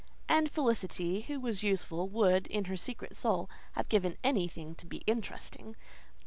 And Felicity, who was useful, would, in her secret soul, have given anything to be interesting.